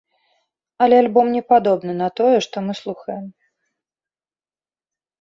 Але альбом не падобны на тое, што мы слухаем.